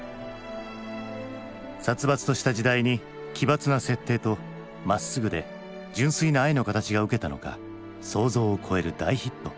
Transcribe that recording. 殺伐とした時代に奇抜な設定とまっすぐで純粋な愛の形がウケたのか想像を超える大ヒット。